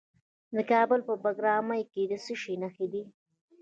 د کابل په بګرامي کې د څه شي نښې دي؟